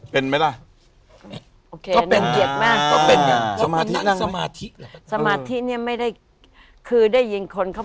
เป็นไหมล่ะ